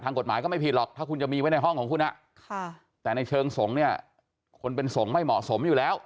กฎหมายก็ไม่ผิดหรอกถ้าคุณจะมีไว้ในห้องของคุณแต่ในเชิงสงฆ์เนี่ยคนเป็นสงฆ์ไม่เหมาะสมอยู่แล้ว